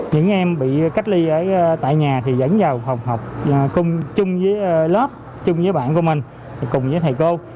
những em bị cách ly tại nhà thì dẫn vào học học chung với lớp chung với bạn của mình cùng với thầy cô